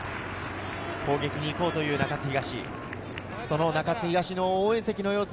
攻撃に行こうという中津東。